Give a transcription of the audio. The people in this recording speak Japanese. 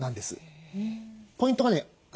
ポイントがね